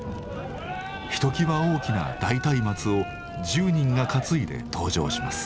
ひときわ大きな大松明を１０人が担いで登場します。